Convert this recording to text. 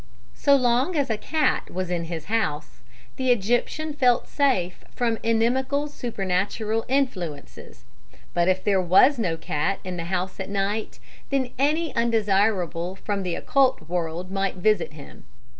"So long as a cat was in his house the Egyptian felt safe from inimical supernatural influences, but if there was no cat in the house at night, then any undesirable from the occult world might visit him.